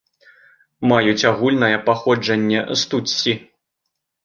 Маюць агульнае паходжанне з тутсі.